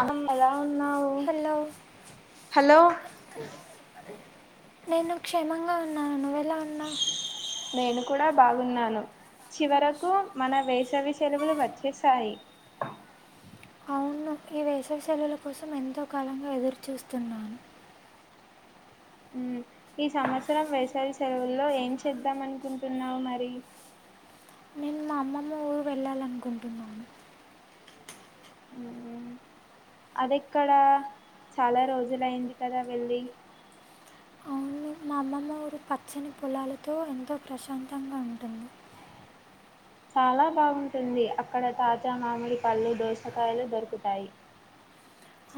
అమ్మమ్మ ఎలా ఉన్నావు హలో హలో [unintelligible] నేను క్షేమంగా ఉన్నాను. నువ్ ఎలాఉన్నావ్? నేను కూడా బాగున్నాను. చివరకు మన వేసవి సెలవులు వచ్చేసాయి. అవును ఈ వేసవిశెలవుల కోసం ఎంతో కాలంగా ఎదురుచూస్తున్నాను. ఈ సంవత్సరం వేసవి సెలవుల్లో ఏం చేద్దాం అనుకుంటున్నావు మరి. నేను మా అమ్మమ్మ ఊరు వెళ్ళాలనుకుంటున్నాను. అదిక్కడ చాలా రోజులయింది. కదా వెళ్లి అవును మా అమ్మమ్మ ఊరు పచ్చని పొలాలతో ఎంతో ప్రశాంతంగా ఉంటుంది. చాలా బాగుంటుంది. అక్కడ తాజా మామిడి పళ్ళు, దోసకాయలు దొరుకుతాయి.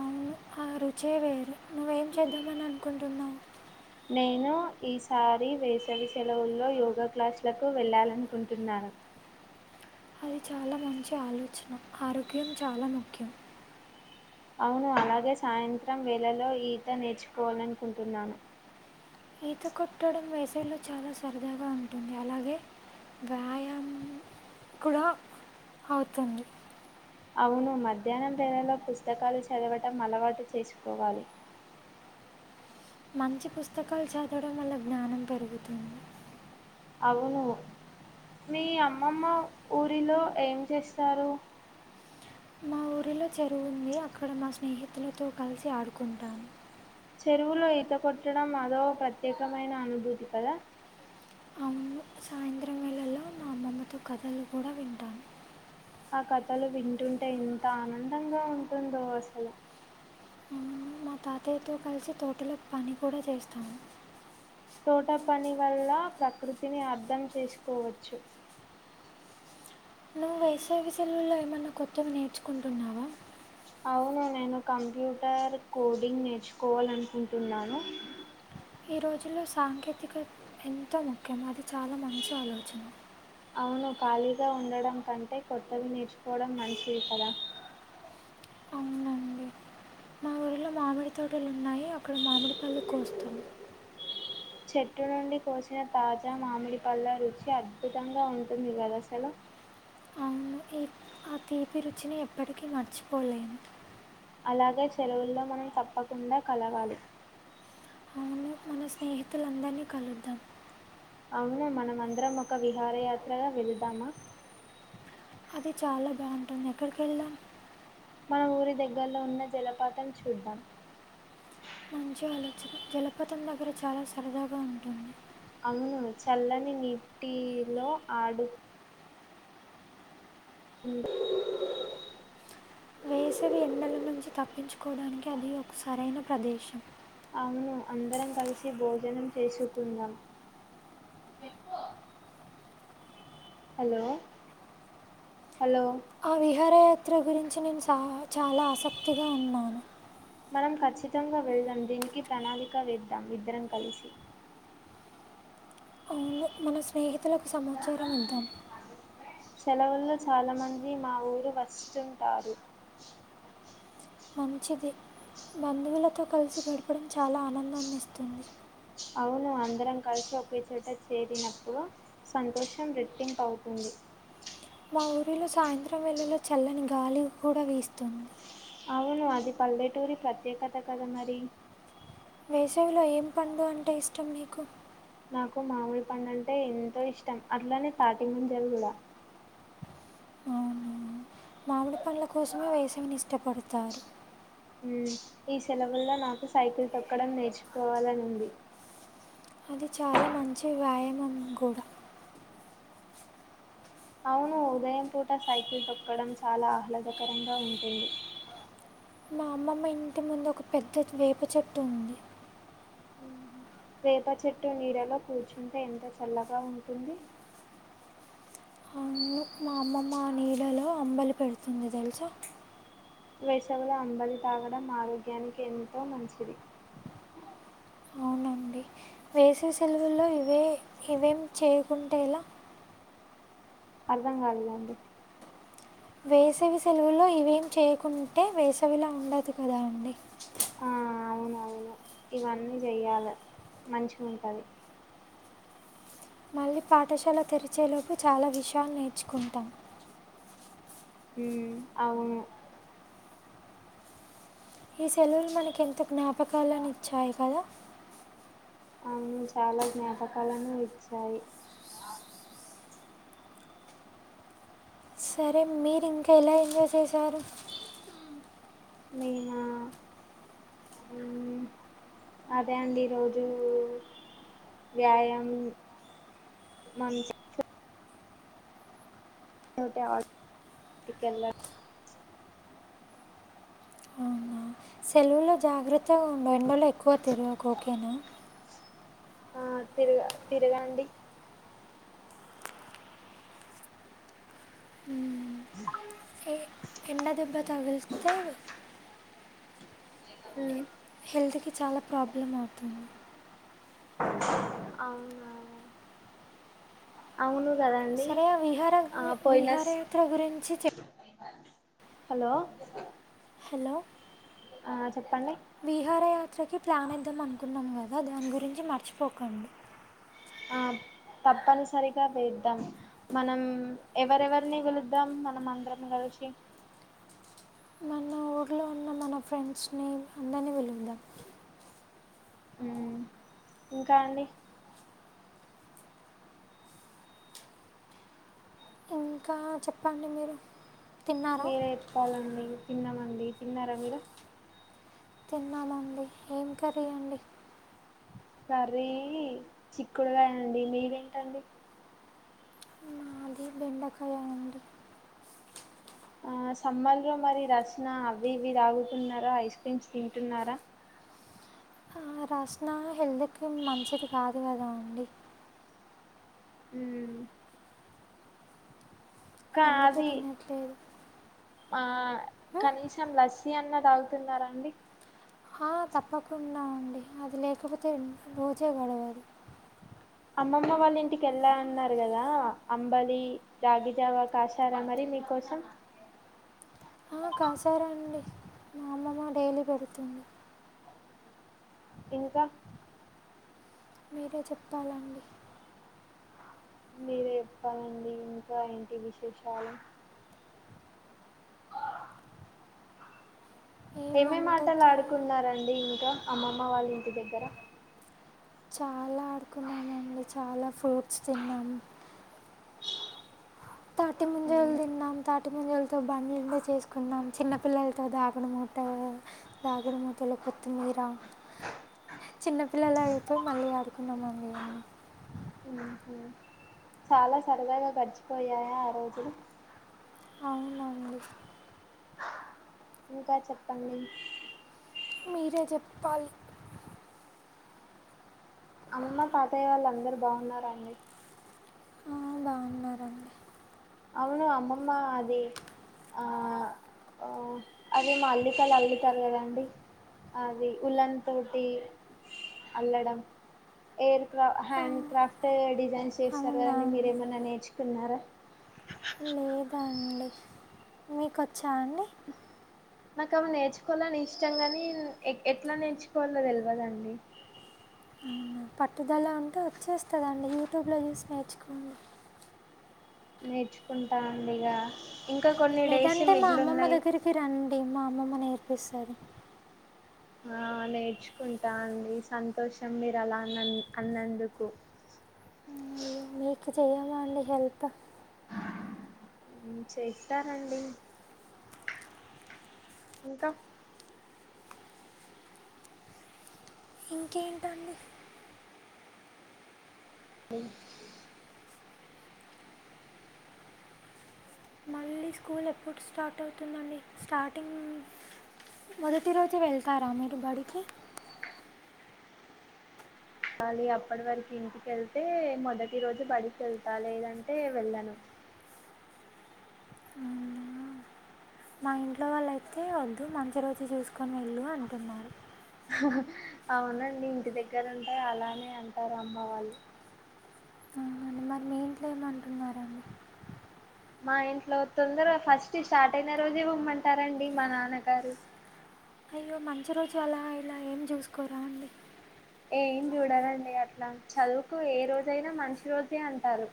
అవును ఆ రుచేవేరు నువ్వేం చేద్దామని అనుకుంటన్నా రన్నా నేను ఈసారి వేసవి సెలవుల్లో యోగా క్లాసులకు వెళ్ళాలనుకుంటున్నాను. అది చాలా మంచి ఆలోచన ఆరోగ్యం చాలా ముఖ్యం అవును అలాగే సాయంత్రం వేళలో ఈత నేర్చుకోవాలనుకుంటున్నాను ఈత కొట్టడం వేసవిలో చాలా సరదాగా ఉంటుంది అలాగే వ్యాయామం కూడా అవుతుంది అవును మధ్యాహ్నం వేళలో పుస్తకాలు చదవటం అలవాటు చేసుకోవాలి మంచి పుస్తకాలు చదడం వల్ల జ్ఞానం పెరుగుతుంది అవును మీ అమ్మమ్మ ఊరిలో ఏం చేస్తారు మా ఊరిలో చెరువు ఉంది అక్కడ మా స్నేహితులతో కలిసి ఆడుకుంటాను చెరువులో ఈత కొట్టడం అదో ప్రత్యేకమైన అనుభూతి కదా అవును సాయంత్రం వేళలో నా అమ్మమ్మతో కథలు కూడా వింటాను ఆ కథలు వింటుంటే ఎంత ఆనందంగా ఉంటుందో అసలు మా తాతయ్యతో కలిసి తోటలో పని కూడా చేస్తాము తోట పని వల్ల ప్రకృతిని అర్థం చేసుకోవచ్చు నువ్వు వేసవి సెలవుల్లో ఏమన్నా కొత్తవి నేర్చుకుంటున్నావా అవును నేను కంప్యూటర్ కోడింగ్ నేర్చుకోవాలనుకుంటున్నాను ఈ రోజుల్లో సాంకేతికత ఎంతో ముఖ్యం అది చాలా మంచి ఆలోచన అవును ఖాళీగా ఉండడం కంటే కొత్తవి నేర్చుకోవడం మంచిది కదా అవునండి మా ఊరిలో మామిడి తోటలు ఉన్నాయి అక్కడ మామిడిపండ్లు కోస్తాను చెట్టు నుండి కోసిన తాజా మామిడి పళ్ళ రుచి అద్భుతంగా ఉంటుంది కదా అసలు అవును ఈ ఆ తీపి రుచిని ఎప్పటికీ మర్చిపోలేం అలాగే సెలవుల్లో మనం తప్పకుండా కలవాలి అవును మన స్నేహితులందరినీ కలుద్దాం అవును మనమ అందరం ఒక విహారయాత్రగా వెళ్దామా అది చాలా బాగుంటుంది ఎక్కడికి వెళ్దాం మన ఊరి దగ్గరలో ఉన్న జలపాతం చూద్దాం మంచి ఆలోచన జలపతం దగ్గర చాలా సరదాగా ఉంటుంది అవును చల్లని నీటిలో ఆడు [inaudible] వేసవి ఎండల నుంచి తప్పించుకోవడానికి అది ఒక సరైన ప్రదేశం అవును అందరం కలిసి భోజనం చేసుకుందాం హలో హలో ఆ విహారయాత్ర గురించి నేను చ చాలా ఆసక్తిగా ఉన్నాను మనం ఖచ్చితంగా వెళ్దాం దీనికి ప్రణాళిక వేద్దాం ఇద్దరం కలిసి అవును మన స్నేహి తులకు సమాచారం ఇద్దాం సెలవుల్లో చాలామంది మా ఊరు వస్తుంటారు మంచిది బంధువులతో కలిసి గడపడం చాలా ఆనందాన్నిస్తుంది అవును అందరం కలిసి ఒకే చోట చేరినప్పుడు సంతోషం రెట్టింపు రెట్టింపుఅవుతుంది మా ఊరిలో సాయంత్రం వేళలో చల్లని గాలి కూడా వీస్తుంది అవును అది పల్లెటూరి ప్రత్యేకత కదా మరి వేసవిలో ఏం పండు అంటే ఇష్టం నీకు నాకు మామిడిపండు అంటే ఎంతో ఇష్టం అట్లానే తాటి మంజలు కూడా అవును మామిడి పండ్ల కోసమే వేసవిని ఇష్టపడతారు ఈ సెలవుల్లో నాకు సైకిల్ తొక్కడం నేర్చుకోవాలని ఉంది అది చాలా మంచి వ్యాయామం కూడా అవును ఉదయం పూట సైకిల్ తొక్కడం చాలా ఆహ్లాదకరంగా ఉంటుంది మా అమ్మమ్మ ఇంటి ముందు ఒక పెద్ద వేప చెట్టుంది వేప చెట్టు నీడలో కూర్చుంటే ఎంత చల్లగా ఉంటుంది అవును మా అమ్మమ్మ నీళ్ళలో అంబలి పెడుతుంది తెలుసా వేసవులో అంబలి తాగడం ఆరోగ్యానికి ఎంతో మంచిది వేసే సెలవుల్లో ఇవే ఇవేం చేయకుంటే ఏలా అర్థం కాలేదండి వేసవి సెలవులో ఇవేం చేయకుంటే వేసవిలా ఉండదు కదా అండి ఆ అవును అవును ఇవన్నీ చెయ్యాలే మంచి గుంటది మళ్ళీ పాఠశాల తెరిచేలోపు చాలా విషయాలు నేర్చుకుంటాం ఉ అవును ఈ సెలవులు మనకి ఎంత జ్ఞాపకాలని ఇచ్చాయి కదా అవును చాలా జ్ఞాపకాలను ఇచ్చాయి సరే మీరు ఇంకా ఎలా ఎంజాయ్ చేశారు నేనా ఉ అదే అండి ఈ రోజు వ్యాయామ్ మంచ్ తోటి ఆడు కెళ్ళాం అవునా సెలవులో జాగ్రత్తగా ఉండండి ఎండలో ఎక్కువ తిరగకు ఓకేనా ఆ తిరుగా తిరుగా అండి ఎ- ము ఎండ దెబ్బ తగిలితే హు హెల్త్ కి చాలా ప్రాబ్లం అవుతుంది అవునా అవును కదండి సరే ఆ విహార ఆ పోయినస్ విహారయాత్ర గురించి చెప్ హలో హలో ఆ చెప్పండి విహార యాత్రకి ప్లాన్ ఏద్దాం అనుకున్నాం గదా ఆ దాని గురించి మర్చిపోకండి ఆ తప్పనిసరిగా వేద్దాం మనం ఎవరెవరిని విలుద్దాం మనం అందరం కలిసి మా ఊర్లో ఉన్న మన ఫ్రెండ్స్ నేమ్ అందరిని విలుద్దాం ఉ ఇంకా అండి ఇంకా చెప్పండి మీరు తిన్నారా మీరే ఏప్పాలండి తిన్నమండి తిన్నారా మీరు తిన్నామండి ఏం కర్రీ అండి కర్రీ చిక్కుడుకాయ అండి మీది ఏటండి మాది బెండకాయ అండి ఆ సమ్మర్ లో మరి రస్ న అవి ఇవి తాగుతున్నారా ఐస్ క్రీమ్స్ తింటున్నారా ఆ రాసిన హెల్త్కి మంచిది కాదు కదా అండి ఉ కా అందుకే అది తినట్లేదు ఆ ఉం? కనీసం లస్ మీ అన్న తాగుతున్నారా అండి ఆ తప్పకుండా అండి అది లేకపోతే రోజే గొడవదు అమ్మమ్మ వాళ్ళ ఇంటికెళ్ళ అన్నారు కదా అంబలి రాగిజావ కాసారా మరి మీకోసం ఆ కాసారు అండి మా అమ్మమ్మ డైలీ పెడుతుంది ఇంకా మీరే చెప్పాలండి మీరే ఏప్పాలండి ఇంకా ఏంటి విశేషాలు ఏం ఏమే మేం వంట ఆటలు చే- ఆడుకున్నారండి ఇంకా అమ్మమ్మ వాళ్ళ ఇంటి దగ్గర చాలా ఆడుకున్నామండి చాలా ఫ్రూట్స్ తిన్నాము తాటి ముంజలు తిన్నం తాటీ పుట్టు మువ్వలతో బండ్లు చేసుకున్నాం. చిన్నపిల్లలతో దాగుడుమూత దాగుడుమూతలు కొత్తిమీర చిన్నపిల్ల అయిపోయి మళ్ళీ ఆడి కొన్నాం అండి హ్ హు చాలా సరదాగా గడిచిపోయాయా ఆ రోజులు అవునండి ఇంకా చెప్పండి మీరే చెప్పాలి అమ్మ తతయ్య వాళ్ళు అందరు బాగున్నరా అండి ఆ, బాగున్నారండి అవును. అమ్మమ్మ అది ఆ వ అదే మా అల్లికలు అల్లుతారు కదండి. అది ఉల్లన్ తోటి అల్లడం ఎయిర్ క్రాఫ్ట్ ఆ, హ్యాండ్ క్రాఫ్ట్ డిజైన్స్ చేస్తారు. కదా అవునా మీరేమన్న నేర్చుకున్నారా లేదు అండి మీకు వో చ్చా అండి నాకు అవి నేర్చుకోవాలని ఇష్టం గాని ఎట్లా నేర్చుకోవవాలో తెలివదండి. అవునా పట్టుదల ఉంటే వచ్చేస్తదాండి యూట్యూబ్లో చూసి నేర్చుకోండి. నేర్చుకుంటా అండి ఇగా లేదంటే మా అమ్మమ్మ దగ్గరికి రండి మా అమ్మమ్మ నేర్ ర్పిస్తారు ఆ నేర్చుకుంటా అండి సంతోషం మీరు అలా అన్న అన్నందుకు మీకు చేయమ అండి హెల్ప్ చేస్తనండి ఇంకా ఇంకేంటండి అ మళ్ళీ స్కూల్ ఎప్పుడు స్టార్ట్ అవుతుందండి. స్టార్టింగ్ మొదటి రోజు వెళ్తారా మీరు బడికి లాలి అప్పటి వరకు ఇంటికెళ్తే మొదటి రోజు బడికి వెళ్తా లేదంటే వెళ్ళను మా ఇంట్లో వాళ్ళుయితే వద్దు మంచి రోజు చూసుకొని వెళ్ళు అంటున్నారు. అవునండి ఇంటి దగ్గర ఉంటే అలానే అంటారు అమ్మ వాళ్ళు అవునండి మరి మీ ఇంట్లో ఏమంటున్నారండి మా ఇంట్లో తొందరగా ఫస్ట్ స్టార్ట్ అయిన రోజే పోమ్మంటారండి మా నాన్నగారు అయ్యో మంచి రోజు అలా ఇలా ఏం చూసుకోరా అండి ఏం చూడాలండి అట్లా చదువుకు ఏ రోజైనా మంచి రోజే అంటారు.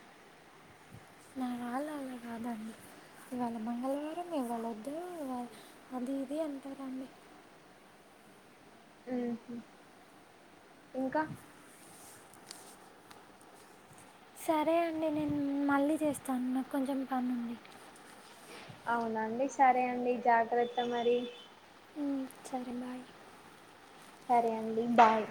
నా వాళ్ళు అలా కాదండి ఇవాళ మంగళవారం ఇవాళ వద్దు ఆ అది ఇది అంటారండి ఉ హ్ ఇంకా సరే అండి నేను మళ్ళీ చేస్తాను నాకు కొంచెం పనుంది అవునండి సరే అండి జాగ్రత్త మరి సరే భాయ్ సరే అండి బాయ్